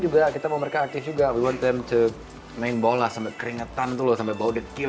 juga kita mau mereka aktif juga we want them to main bola sampai keringetan dulu sampai bau dekil